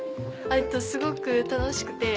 すごく楽しくて。